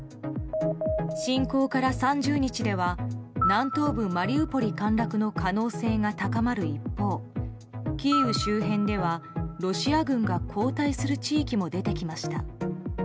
侵攻から３０日では南東部マリウポリ陥落の可能性が高まる一方キーウ周辺ではロシア軍が後退する地域も出てきました。